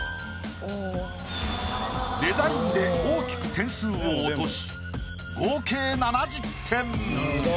デザインで大きく点数を落とし合計７０点。